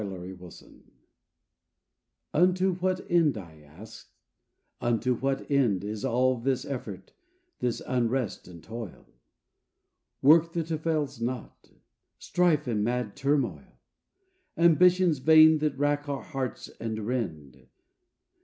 UNTO WHAT END Unto what end, I ask, unto what end Is all this effort, this unrest and toil? Work that avails not? strife and mad turmoil? Ambitions vain that rack our hearts and rend?